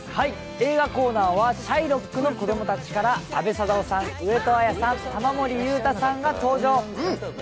映画コーナーは「シャイロックの子供たち」から阿部サダヲさん、上戸彩さん玉森裕太さんが登場。